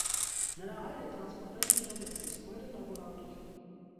Նրա հայրը տրանսպորտային ինժեներ էր, իսկ մայրը՝ լաբորանտուհի։